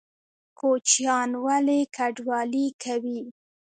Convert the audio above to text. کوچیان ولې کډوالي کوي؟